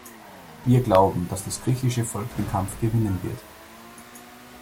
Wir glauben, dass das griechische Volk den Kampf gewinnen wird.